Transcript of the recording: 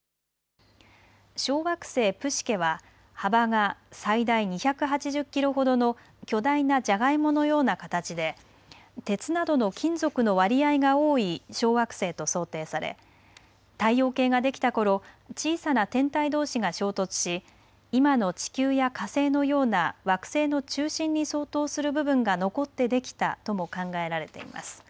小惑星プシケは幅が最大２８０キロほどの巨大なじゃがいものような形で鉄などの金属の割合が多い小惑星と想定され太陽系ができたころ小さな天体どうしが衝突し今の地球や火星のような惑星の中心に相当する部分が残ってできたとも考えられています。